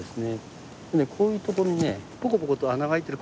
こういうところにねポコポコと穴が開いてる。